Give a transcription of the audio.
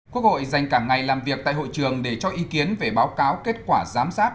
quốc hội dành cả ngày làm việc tại hội trường để cho ý kiến về báo cáo kết quả giám sát